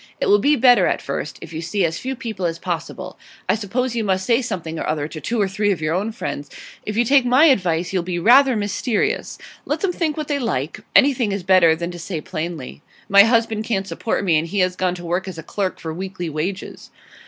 It will be better, at first, if you see as few people as possible. I suppose you must say something or other to two or three of your own friends; if you take my advice you'll be rather mysterious. Let them think what they like; anything is better than to say plainly. "My husband can't support me, and he has gone to work as a clerk for weekly wages."